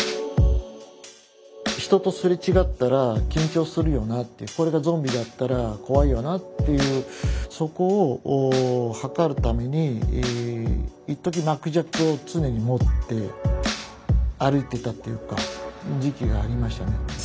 人とすれ違ったら緊張するよなっていうこれがゾンビだったら怖いよなっていうそこを測るためにいっとき巻き尺を常に持って歩いていたっていうか時期がありましたね。